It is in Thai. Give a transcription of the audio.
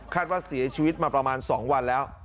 ว่าเสียชีวิตมาประมาณ๒วันแล้ว